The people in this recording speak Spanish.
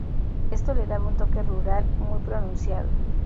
Esto le daba un toque rural muy pronunciado.